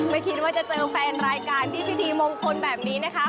ไม่คิดว่าจะเจอแฟนรายการที่พิธีมงคลแบบนี้นะคะ